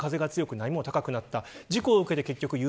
どんどん風が強く波も高くなった。